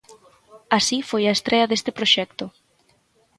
Así foi a estrea deste proxecto.